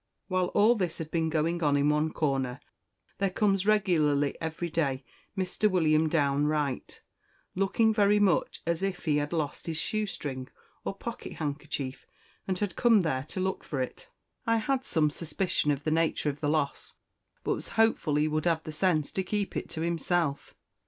While all this has been going on in one corner, there comes regularly everyday Mr. William Downe Wright, looking very much as if he had lost his shoestring, or pocket handkerchief, and had come there to look for it. I had some suspicion of the nature of the loss, but was hopeful he would have the sense to keep it to himself.